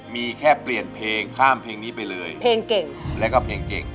มีแค่เปลี่ยนเพลงข้ามเพลงนี้ไปเลยเพลงเก่งแล้วก็เพลงเก่ง